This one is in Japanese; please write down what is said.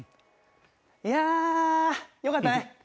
いやあよかったね。